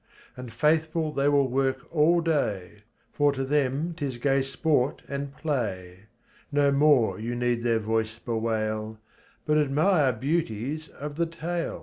And faithful they will work all day, For to them 'tis gay sport and play ; No more you need their voice bewail, But admire beauties of the tail.